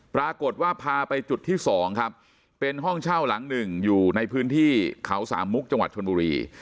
ปรากฏว่าพาไปจุดที่สองครับเป็นห้องเช่าหลังหนึ่งอยู่ในพื้นที่เขาสามมุกจังหวัดชนบุรี